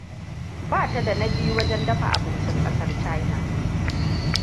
Ba ta da na biyu wajen dafa abincin kasar China.